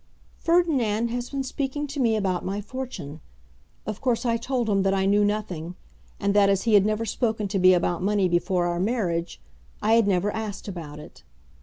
"Ferdinand has been speaking to me about my fortune. Of course, I told him that I knew nothing, and that as he had never spoken to me about money before our marriage, I had never asked about it.